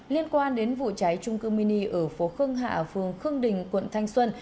liên quan đến vụ cháy trung cư mini ở phố khương hạ phường khương đình quận thanh xuân